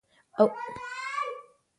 اولو د ځانګړو رنګونو توپیر ښيي.